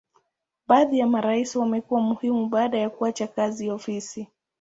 Baadhi ya marais wamekuwa muhimu baada ya kuacha kazi ofisi.